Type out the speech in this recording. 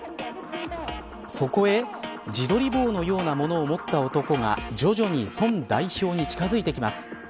そこへ自撮り棒のようなものを持った男が徐々に宋代表に近づいていきます。